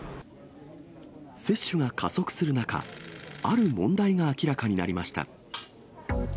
接種が加速する中、ある問題が明らかになりました。